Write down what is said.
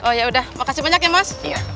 oh ya udah makasih banyak ya mas